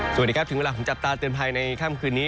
สวัสดีครับถึงเวลาของจับตาเตือนภัยในค่ำคืนนี้